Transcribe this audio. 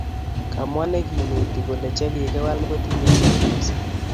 kamwa nekineti kole chekikiwal kotinye ine mising